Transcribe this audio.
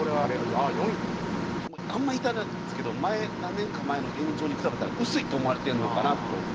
あんま言いたくないんですけど何年か前の炎上に比べたら薄いと思われてるのかなと。